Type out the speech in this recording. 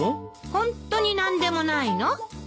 ホントに何でもないの？